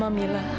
kamu akan dihukum